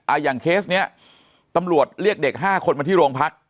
อย่างเคสเนี้ยตำรวจเรียกเด็กห้าคนมาที่โรงพัก